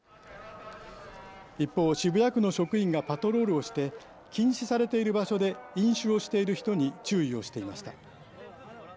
一方渋谷区の職員がパトロールをして禁止されている場所で飲酒をしている人に注意をしていました。